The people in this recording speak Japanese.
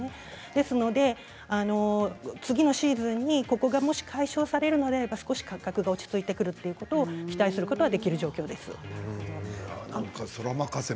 ですので次のシーズンにここがもし解消されるのであれば少し価格が落ち着いてくるということを期待できる状況ではあります。